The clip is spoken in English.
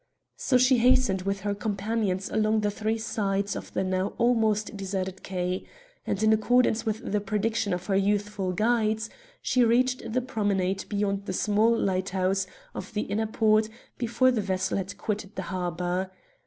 So she hastened with her companions along the three sides of the now almost deserted quay, and, in accordance with the prediction of her youthful guides, she reached the promenade beyond the small lighthouse of the inner port before the vessel had quitted the harbour.